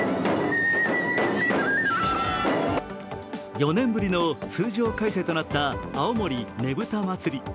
４年ぶりの通常開催となった青森ねぶた祭。